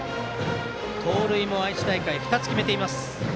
盗塁も愛知大会で２つ決めています。